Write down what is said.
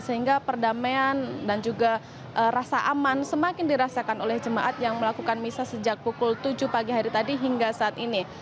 sehingga perdamaian dan juga rasa aman semakin dirasakan oleh jemaat yang melakukan misa sejak pukul tujuh pagi hari tadi hingga saat ini